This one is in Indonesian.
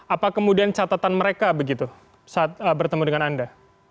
apa kemudian catatan mereka begitu saat bertemu dengan anda